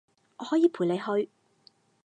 我可以陪你去